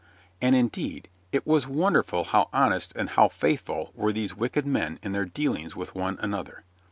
And, indeed, it was wonderful how honest and how faithful were these wicked men in their dealings with one another.